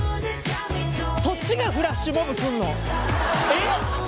そっちがフラッシュモブすんの！？え！？